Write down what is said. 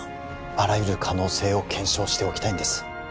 あらゆる可能性を検証しておきたいんです